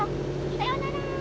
さよなら。